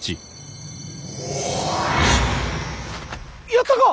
やったか！